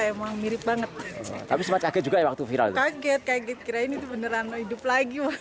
emang mirip banget tapi semakin juga waktu viral kaget kaget kira ini beneran hidup lagi